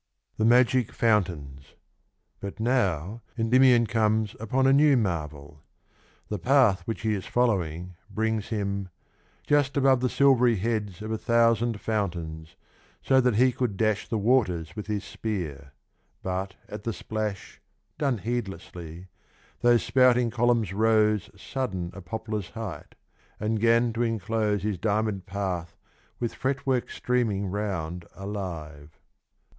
1 Colvin, Life of Keats, p. 220. 41 The magic fountains. Ovid's Metamor phoses. But now Endymion comes upon a new marvel. The path which he is following brings him — just above the silvery heads Of a thousand fountahis, so that he could dash The waters with his spear; but at the splash, Done heedlessly, those spouting columns rose Sudden a poplar's height, and 'gan to enclose His diamond path with fretwork streaming round Alive.